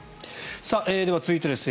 では続いてです。